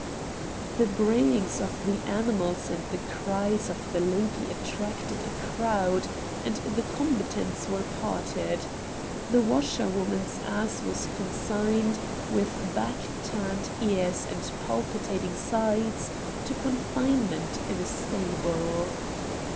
The brayings of the animals and the cries of the lady attracted a crowd, and the combatants were parted. The washerwoman's ass was consigned, with back turned ears and palpitating sides, to confinement in a stable.